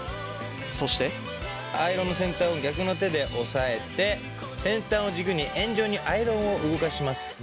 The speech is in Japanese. そしてアイロンの先端を逆の手で押さえて先端を軸に円状にアイロンを動かします。